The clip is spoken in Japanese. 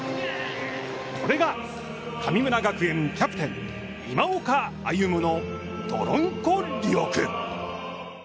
これが、神村学園、キャプテン今岡歩夢の泥んこ力！